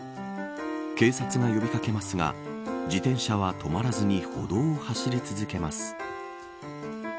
警察が呼び掛けますが自転車は止まらずに歩道を走り続けます。